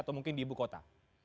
atau mungkin di ibu kota